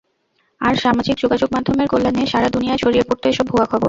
আর সামাজিক যোগাযোগমাধ্যমের কল্যাণে সারা দুনিয়ায় ছড়িয়ে পড়ত এসব ভুয়া খবর।